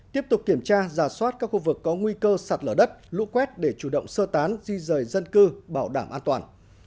tiếp tục kiểm tra giả soát các khu vực có nguy cơ sạt lở đất lũ quét để chủ động sơ tán di rời dân cư bảo đảm an toàn